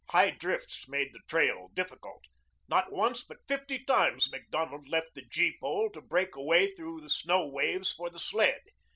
High drifts made the trail difficult. Not once but fifty times Macdonald left the gee pole to break a way through snow waves for the sled.